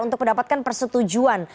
untuk mendapatkan persetujuan